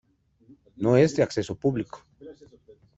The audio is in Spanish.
No es de acceso público.